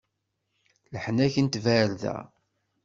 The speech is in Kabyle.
Leḥnak n tbarda.